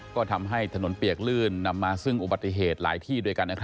ก็ทำให้ถนนเปียกลื่นนำมาซึ่งอุบัติเหตุหลายที่ด้วยกัน